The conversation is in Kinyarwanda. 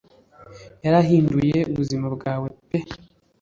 yarahinduye ubuzima bwawe pe